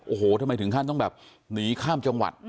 โอ้โหทำไมถึงขั้นต้องแบบหนีข้ามจังหวัด